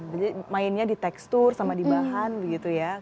jadi mainnya di tekstur sama di bahan gitu ya